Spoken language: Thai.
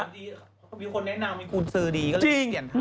ก็มีคุณแนะนำมีคุณซื่อดีก็เรียนเทิน